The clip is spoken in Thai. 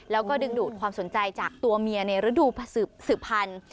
แล้วก็ดึงดูดความสนใจจากตัวเมียในฤดูสืบพันธุ์